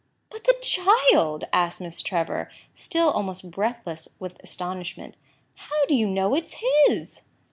"But the child!" asked Mrs. Trevor, still almost breathless with astonishment. "How do you know it is his?"